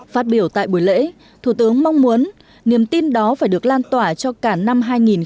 phát biểu tại buổi lễ thủ tướng mong muốn niềm tin đó phải được lan tỏa cho cả năm hai nghìn một mươi chín